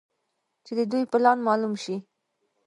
چې د دوى پلان مالوم سي.